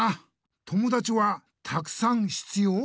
友だちはたくさんひつよう？